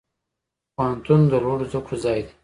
پوهنتون د لوړو زده کړو ځای دی